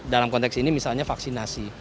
dalam konteks ini misalnya vaksinasi